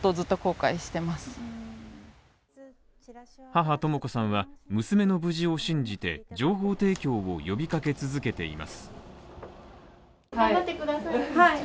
母・とも子さんは娘の無事を信じて情報提供を呼びかけ続けています。